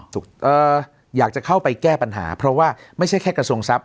อยากจะเข้าไปแก้ปัญหาเพราะว่าไม่ใช่แค่กระทรวงทรัพย